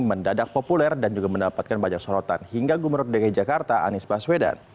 mendadak populer dan juga mendapatkan banyak sorotan hingga gubernur dki jakarta anies baswedan